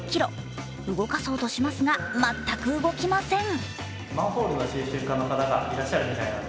動かそうとしますが、全く動きません。